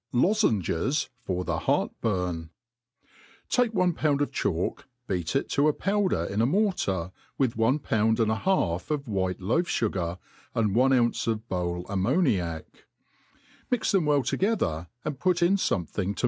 Lozenges fir the Heart hum, Take 6ne pound of chalk, beat it to a powder in a mor tar, W^h one pound and a half of white loaf fugar, and one ounce of boIe«ammtniiac ; tttiit ilhem well together, and put in fomething to.